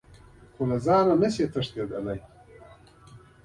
خو له ځانه نه شئ تښتېدلی .